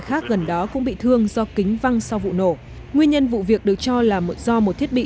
khác gần đó cũng bị thương do kính văng sau vụ nổ nguyên nhân vụ việc được cho là do một thiết bị